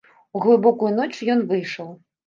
У глыбокую ноч ён выйшаў.